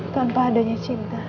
tanpa adanya cinta